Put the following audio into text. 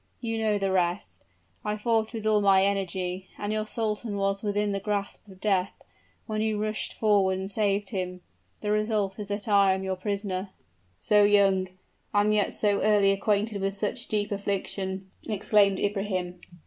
You know the rest; I fought with all my energy, and your sultan was within the grasp of death, when you rushed forward and saved him. The result is that I am your prisoner." "So young and yet so early acquainted with such deep affliction!" exclaimed Ibrahim.